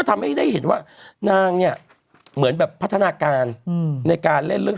ทำให้ได้เห็นว่านางเนี่ยเหมือนแบบพัฒนาการอืมในการเล่นเรื่อง